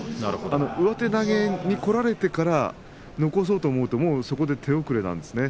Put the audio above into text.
上手投げにこられてから残そうと思うと、もうそこで手遅れなんですね。